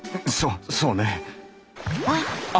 そそうね。